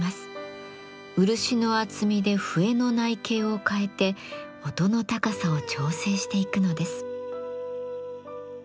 漆の厚みで笛の内径を変えて音の高さを調整していくのです。